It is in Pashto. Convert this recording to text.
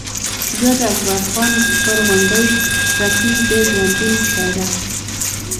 بیا د اکبر خان پر غونډۍ رپي د ژوندون بيرغ